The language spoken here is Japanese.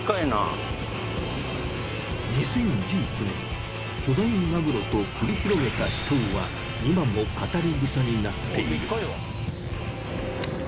２０１９年巨大マグロと繰り広げた死闘は今も語り草になっている。